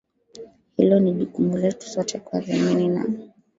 hilo ni jukumu letu sote kuadhamini na